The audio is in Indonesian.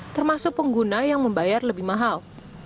termasuk pengguna yang membayar lebih mahal